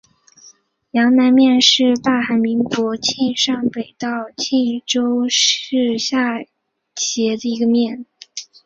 阳南面是大韩民国庆尚北道庆州市下辖的一个面。